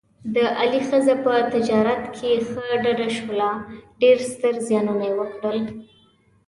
د علي ښځه په تجارت کې ښه ډډه شوله، ډېر ستر زیانونه یې وکړل.